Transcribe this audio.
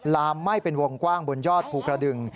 ลามไหม้เป็นวงกว้างบนยอดภูกระดึง